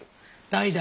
代々。